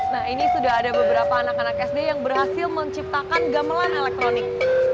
nah ini sudah ada beberapa anak anak sd yang berhasil menciptakan gamelan elektronik